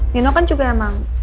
nino kan juga emang